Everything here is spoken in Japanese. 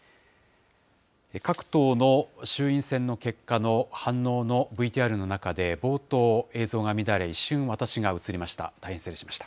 各党の衆院選の結果の反応のＶＴＲの中で、冒頭、映像が乱れ、一瞬、私が映りました。